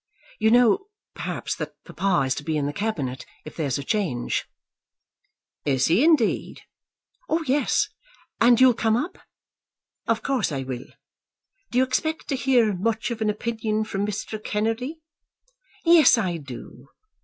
You know, perhaps, that papa is to be in the Cabinet if there's a change." "Is he indeed?" "Oh yes; and you'll come up?" "Of course I will. Do you expect to hear much of an opinion from Mr. Kennedy?" "Yes, I do.